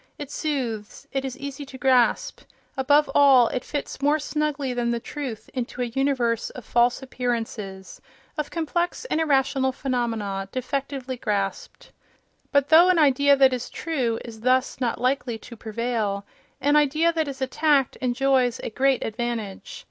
It soothes. It is easy to grasp. Above all, it fits more snugly than the truth into a universe of false appearances—of complex and irrational phenomena, defectively grasped. But though an idea that is true is thus not likely to prevail, an idea that is attacked enjoys a great advantage.